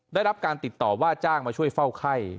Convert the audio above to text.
ได้รับการติดต่อว่าจ้างมาช่วยเฝ้าไข้